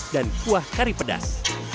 dan kuah kari pedas